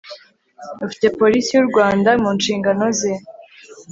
ufite polisi y u rwanda mu nshingano ze